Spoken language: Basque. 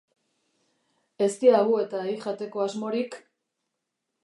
Ez diagu eta hi jateko asmorik...